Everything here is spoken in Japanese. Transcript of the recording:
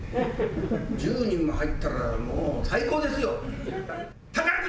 １０人も入ったらもう、最高ですよ。